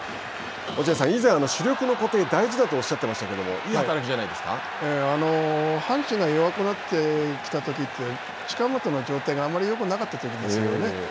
落合さん、以前主力の固定大事だとおっしゃってましたけど阪神が弱くなってきたときって近本の状態があまりよくなかったときですよね。